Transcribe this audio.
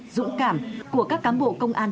dũng cảm của các cán bộ công an